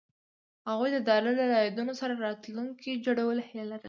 هغوی د لاره له یادونو سره راتلونکی جوړولو هیله لرله.